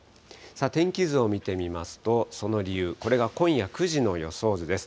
天気図を見てみますと、その理由、これが今夜９時の予想図です。